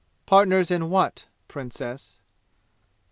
"Partners in what, Princess?"